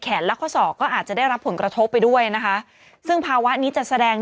และข้อศอกก็อาจจะได้รับผลกระทบไปด้วยนะคะซึ่งภาวะนี้จะแสดง